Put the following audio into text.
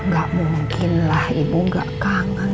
gak mungkin lah ibu gak kangen